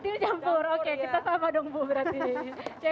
tim campur oke kita sama dong bu berarti